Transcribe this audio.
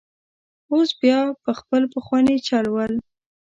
اوس بیا په خپل پخواني چل ول.